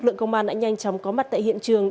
đã nhanh chóng có mặt tại hiện trường